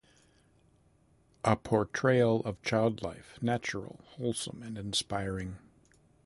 A portrayal of child life, natural, wholesome, and inspiring.